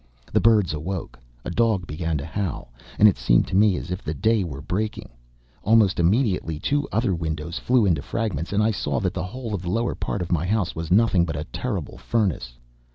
The birds awoke; a dog began to howl, and it seemed to me as if the day were breaking! Almost immediately two other windows flew into fragments, and I saw that the whole of the lower part of my house was nothing but a terrible furnace.